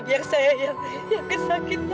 biar saya yang kesakit